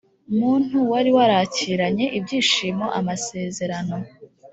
muntu wari warakiranye ibyishimo amasezerano